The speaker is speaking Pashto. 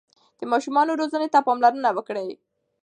د ماشومانو روزنې ته پاملرنه وکړئ.